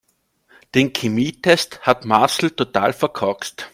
Den Chemietest hat Marcel total verkorkst.